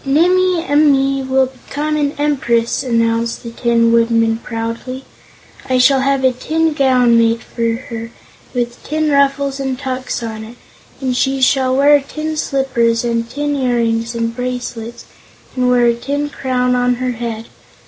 "Nimmie Amee will become an Empress!" announced the Tin Woodman, proudly. "I shall have a tin gown made for her, with tin ruffles and tucks on it, and she shall have tin slippers, and tin earrings and bracelets, and wear a tin crown on her head.